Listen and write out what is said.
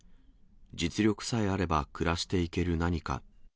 実力さえあれば暮らしていける何か。